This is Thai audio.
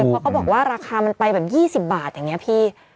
เพราะเขาบอกว่าราคามันไปแบบ๒๐บาทอย่างนี้พี่